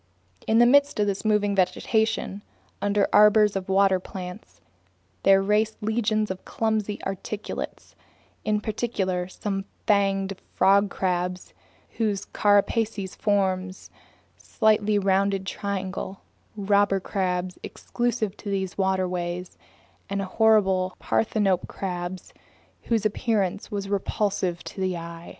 In the midst of this moving vegetation, under arbors of water plants, there raced legions of clumsy articulates, in particular some fanged frog crabs whose carapaces form a slightly rounded triangle, robber crabs exclusive to these waterways, and horrible parthenope crabs whose appearance was repulsive to the eye.